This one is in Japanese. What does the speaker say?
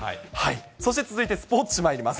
そして続いてスポーツ紙まいります。